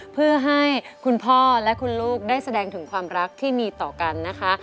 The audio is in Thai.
เพื่อให้คุณพ่อและคุณลูกได้แสดงถึงความรักที่มีต่อกันนะคะ